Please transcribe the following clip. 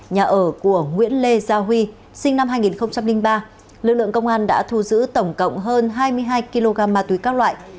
nhà ở của nguyễn lê gia huy sinh năm hai nghìn ba lực lượng công an đã thu giữ tổng cộng hơn hai mươi hai kg ma túy các loại